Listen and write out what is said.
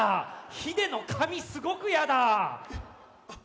ヒデの髪すごくやだあっ